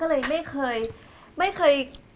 ของคุณยายถ้วน